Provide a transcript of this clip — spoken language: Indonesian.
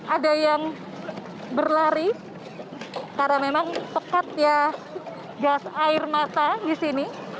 ada yang berlari karena memang pekat ya gas air mata di sini